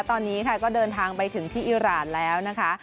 ตอนนี้ค่ะก็เดินทางไปถึงที่อิราณแล้วนะคะ